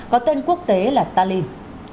có tên quốc tế là talin